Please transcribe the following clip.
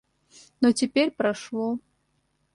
Но теперь прошло.